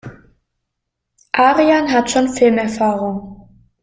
Aryan hat schon Filmerfahrung.